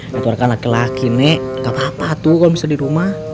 nek aturkan laki laki nek gapapa tuh kalo bisa di rumah